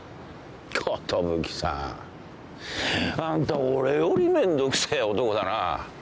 寿さん。あんた俺よりめんどくせえ男だな。